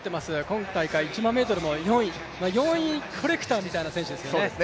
今大会１００００ｍも４位、４位コレクターみたいな選手ですね